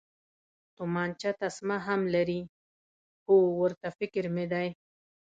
تومانچه تسمه هم لري، هو، ورته فکر مې دی.